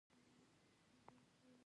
زموږ نیکونه فوت شوي دي